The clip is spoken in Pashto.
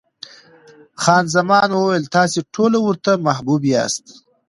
خان زمان وویل، تاسې ټوله ورته محبوب یاست.